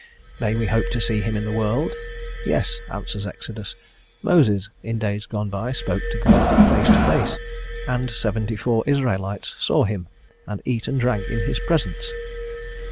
May we hope to see Him in this world? "Yes," answers Exodus. "Moses in days gone by spoke to God face to face, and seventy four Israelites saw Him, and eat and drank in His presence."